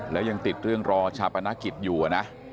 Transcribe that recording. แล้วยังติดเรื่องรอชาปนกิจอยู่นะ